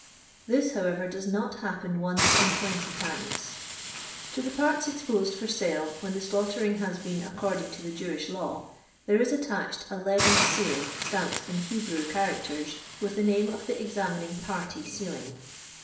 This, however, does not happen once in 20 times.' To the parts exposed for sale, when the slaughtering has been according to the Jewish law, there is attached a leaden seal, stamped in Hebrew cha racters with the name of the examiniM party sealing.